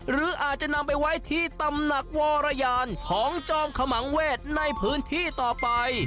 หรืออาจจะนำไปไว้ที่ตำหนักวรยานของจอมขมังเวศในพื้นที่ต่อไป